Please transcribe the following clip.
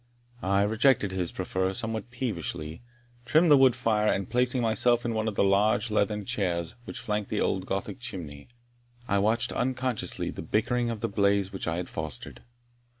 I rejected his proffer somewhat peevishly, trimmed the wood fire, and placing myself in one of the large leathern chairs which flanked the old Gothic chimney, I watched unconsciously the bickering of the blaze which I had fostered.